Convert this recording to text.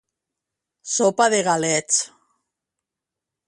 Sopa de galets